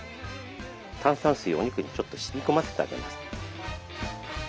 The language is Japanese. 炭酸水をお肉にちょっとしみこませてあげます。